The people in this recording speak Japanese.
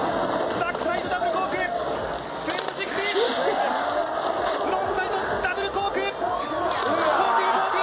バックサイドダブルコーク１２６０。